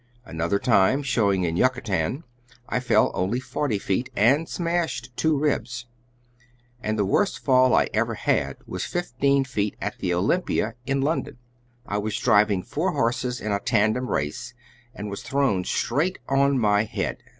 Another time, showing in Yucatan, I fell only forty feet, and smashed two ribs. And the worst fall I ever had was fifteen feet at the Olympia, in London. I was driving four horses in a tandem race, and was thrown straight on my head.